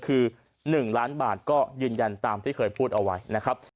คือ๑ล้านบาทก็ยืนยันตามที่เคยพูดเอาไว้นะครับ